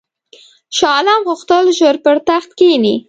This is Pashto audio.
شاه عالم غوښتل ژر پر تخت کښېني.